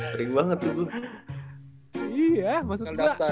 kering banget tuh bu